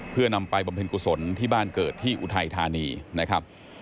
เพื่อนำไปบำเพ็ญกุศลที่บ้านเกิดที่อุทัยธานีนะครับ